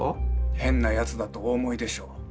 変なやつだとお思いでしょう。